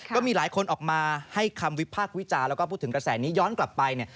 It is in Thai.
ก็มีหลายคนออกมาให้คำวิพากษ์วิจารณ์แล้วก็พูดถึงกระแสนนี้